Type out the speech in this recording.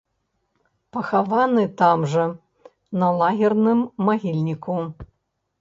Пахаваны там жа на лагерным магільніку.